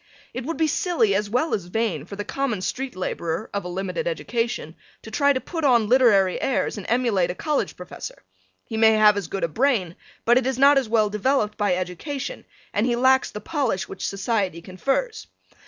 It would be silly as well as vain for the common street laborer of a limited education to try to put on literary airs and emulate a college professor; he may have as good a brain, but it is not as well developed by education, and he lacks the polish which society confers.